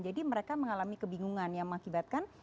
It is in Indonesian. jadi mereka mengalami kebingungan yang mengakibatkan